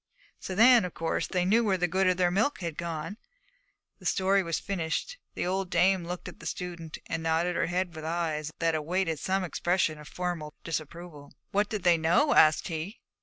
So then, of course they knew where the good of their milk had gone.' The story was finished. The old dame looked at the student and nodded her head with eyes that awaited some expression of formal disapproval. 'What did they know?' asked he.